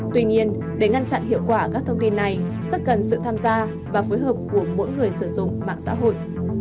tuy nhiên để ngăn chặn hiệu quả các thông tin này rất cần sự tham gia và phối hợp của mỗi người sử dụng mạng xã hội